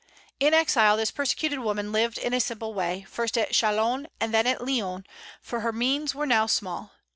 In exile this persecuted woman lived in a simple way, first at Chalons and then at Lyons, for her means were now small.